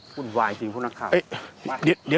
ุ่นวายจริงพวกนักข่าว